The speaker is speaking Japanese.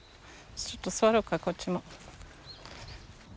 ちょっと座ろうかこっちも。